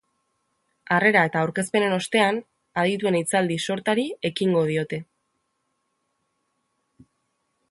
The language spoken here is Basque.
Harrera eta aurkezpenen ostean, adituen hitzaldi sortari ekingo diote.